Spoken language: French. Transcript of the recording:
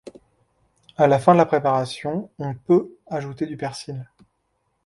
À la fin de la préparation, on peut ajouter du persil.